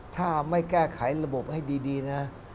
ถ้าไม่แก้ไขระบบให้ดีนะ